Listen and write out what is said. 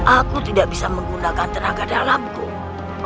aku tidak bisa menggunakan tenaga dalam goh